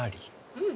うん。